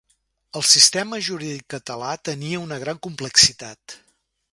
El sistema jurídic català tenia una gran complexitat.